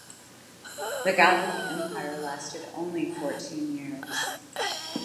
The Gallic Empire lasted only fourteen years.